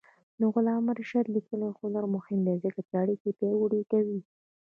د علامه رشاد لیکنی هنر مهم دی ځکه چې اړیکې پیاوړې کوي.